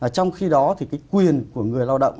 trong khi đó thì cái quyền của người lao động